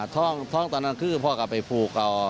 ท่องตอนนั้นคือพ่อกลับไปผูก